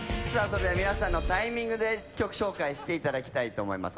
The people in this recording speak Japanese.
それでは皆さんのタイミングで曲紹介していただきたいと思います